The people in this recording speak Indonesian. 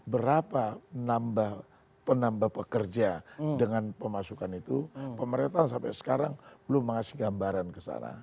berapa penambah pekerja dengan pemasukan itu pemerintahan sampai sekarang belum mengasih gambaran ke sana